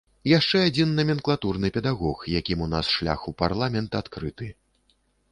Яшчэ адзін наменклатурны педагог, якім у нас шлях у парламент адкрыты.